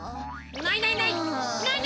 ないないない！